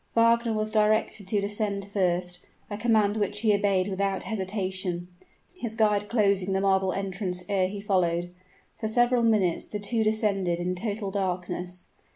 Wagner was directed to descend first, a command which he obeyed without hesitation, his guide closing the marble entrance ere he followed. For several minutes the two descended in total darkness.